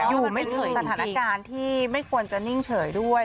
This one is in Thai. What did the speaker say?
อยู่ไม่เฉยจริงจริงสถานการณ์ที่ไม่ควรจะนิ่งเฉยด้วยเออ